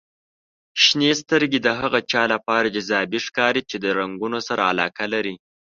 • شنې سترګې د هغه چا لپاره جذابې ښکاري چې د رنګونو سره علاقه لري.